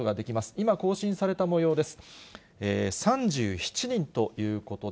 今、更新されたもようです。